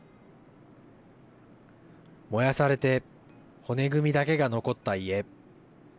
燃やされて骨組みだけが残った家。